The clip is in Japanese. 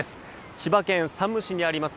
千葉県山武市にあります